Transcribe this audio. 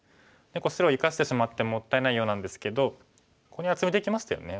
白生かしてしまってもったいないようなんですけどここに厚みできましたよね。